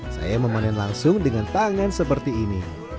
saya memanen langsung dengan tangan seperti ini